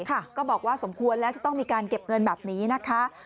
ก็บอกว่าสมควรแล้วที่ต้องมีการเก็บเงินแบบนี้นะคะ